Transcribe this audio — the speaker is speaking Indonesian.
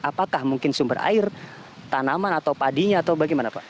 apakah mungkin sumber air tanaman atau padinya atau bagaimana pak